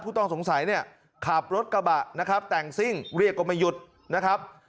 ต้องสงสัยเนี่ยขับรถกระบะนะครับแต่งซิ่งเรียกก็ไม่หยุดนะครับ